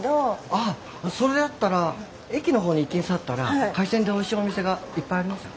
あっそれやったら駅の方に行きんさったら海鮮でおいしいお店がいっぱいありますよ。